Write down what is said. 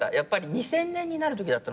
２０００年になるときだった